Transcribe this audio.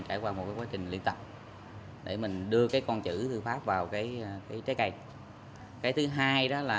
trải qua một cái quá trình luyện tập để mình đưa cái con chữ thư pháp vào cái trái cây cái thứ hai đó là